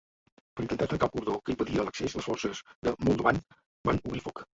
Per intentar trencar el cordó que impedia l'accés, les forces de Moldovan van obrir foc.